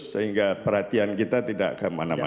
sehingga perhatian kita tidak kemana mana